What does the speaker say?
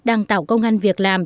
đang tạo công an việc làm